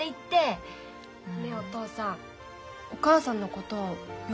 ねっお父さんお母さんのことよ